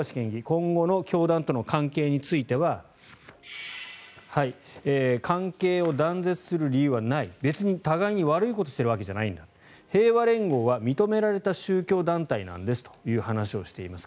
今後の教団との関係については関係を断絶する理由はない別に互いに悪いことをしているわけじゃないんだ平和連合は認められた宗教団体なんですという話をしています。